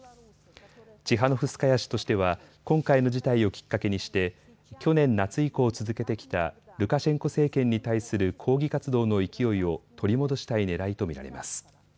チハノフスカヤ氏としては今回の事態をきっかけにして去年夏以降、続けてきたルカシェンコ政権に対する抗議活動の勢いを取り戻したいねらいと見られます。